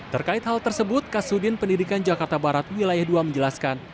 terkait hal tersebut kasudin pendidikan jakarta barat wilayah dua menjelaskan